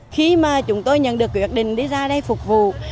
khi mà chúng tôi nhận được quyết định đi ra đây phục vụ